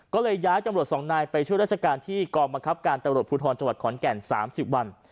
ก็เลยย้ายตำรวจสองนายไปช่วยราชการที่กองบังคับการตำรวจภูทรจังหวัดขอนแก่น๓๐วัน